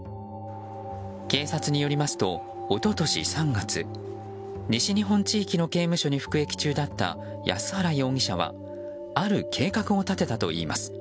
警察によりますと、一昨年３月西日本地域の刑務所に服役中だった安原容疑者はある計画を立てたといいます。